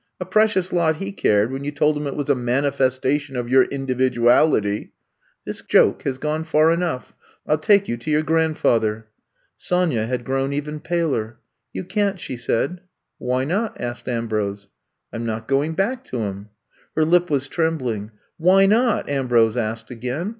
A precious lot he cared when you told him it was a mani festation of your individuality ! This joke has gone far enough. I '11 take you to your grandfather." Sonya had grown even paler. You can't," she said. Why not ?'' asked Ambrose. I 'm not going back to him." Her lip was trembling. Why not!" Ambrose asked again.